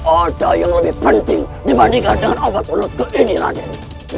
ada yang lebih penting dibandingkan dengan obat muridku ini raden